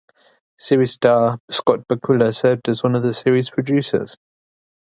Series star Scott Bakula served as one of the series' producers.